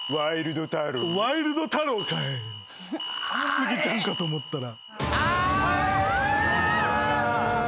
スギちゃんかと思ったら。